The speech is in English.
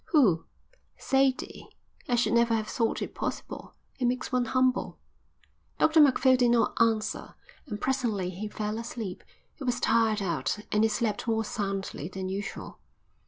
"Who?" "Sadie. I should never have thought it possible. It makes one humble." Dr Macphail did not answer, and presently he fell asleep. He was tired out, and he slept more soundly than usual.